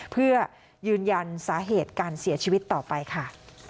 เพื่อยืนยันสาเหตุการเสียชีวิตต่อไปค่ะ